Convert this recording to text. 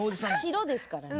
白ですからね。